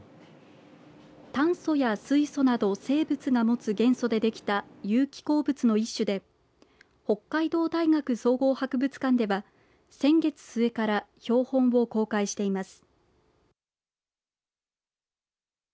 炭素や水素など生物が持つ元素でできた有機鉱物の一種で北海道大学総合博物館では先月末から標本を公開しています。